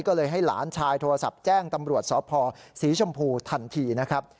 ก็เลยให้หลานชายโทรศัพท์แจ้งตำรวจสพศรีชมพูทันทีนะครับ